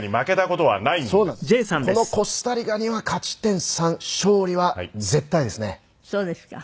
このコスタリカには勝ち点３勝利は絶対ですね。